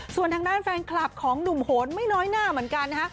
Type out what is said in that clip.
ส่วนทางด้านแฟนคลับของหนุ่มโหนไม่น้อยหน้าเหมือนกันนะฮะ